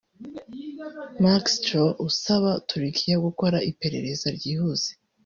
Mark Stroh usaba Turukiya gukora iperereza ryihuse